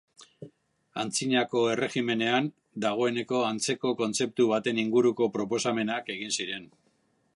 Antzinako Erregimenean dagoeneko antzeko kontzeptu baten inguruko proposamenak egin ziren.